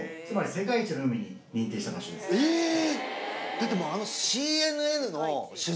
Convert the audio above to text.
だってもうあの。